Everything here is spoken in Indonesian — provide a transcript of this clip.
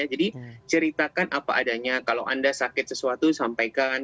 jadi ceritakan apa adanya kalau anda sakit sesuatu sampaikan